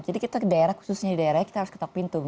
jadi kita ke daerah khususnya di daerahnya kita harus ketok pintu